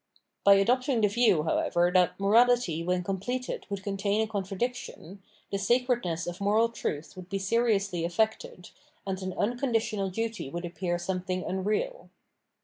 By adopting the view, however, that morality when com pleted would contain a contradiction, the sacredness of moral truth would be seriously afiected, and an unconditional duty would appear something unreal.